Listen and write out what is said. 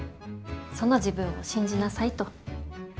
その自分を信じなさいと。